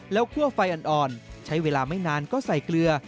แล้วคั่วไฟอ่อนใช้เวลาไม่นานก็ใส่เกลือ